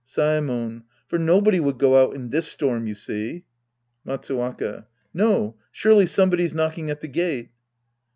Saemon. For nobody would go out in this storm, you see. Matsuwaka. No. Surely somebody's knocking at the gate.